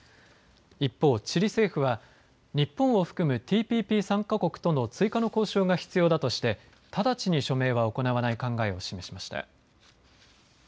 一方、チリ政府は日本を含むＴＰＰ参加国との追加の交渉が必要だとして直ちに署名は行わない考えを示しました。